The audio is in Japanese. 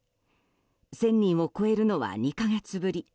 １０００人を超えるのは２か月ぶり。